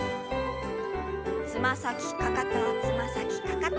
つま先かかとつま先かかと。